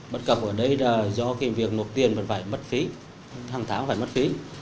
bất cập ở đây là do việc nộp tiền vẫn phải bất phí hàng tháng phải bất phí